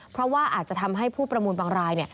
เพราะว่าอาจจะทำให้ผู้ประมูลบางราย